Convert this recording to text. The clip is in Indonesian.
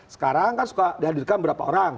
sekarang kan suka dihadirkan berapa orang